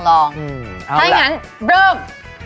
ถ้าอย่างนั้นเริ่ม